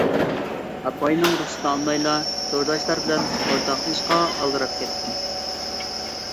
ئاپپاينىڭ رۇخسىتىنى ئالمايلا تورداشلار بىلەن ئورتاقلىشىشقا ئالدىراپ كەتتىم.